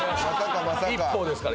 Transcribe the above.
一宝ですから」